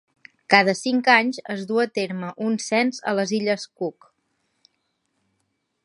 Cada cinc anys es du a terme un cens a les Illes Cook.